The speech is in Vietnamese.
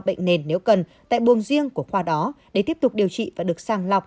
bệnh nền nếu cần tại buồng riêng của khoa đó để tiếp tục điều trị và được sàng lọc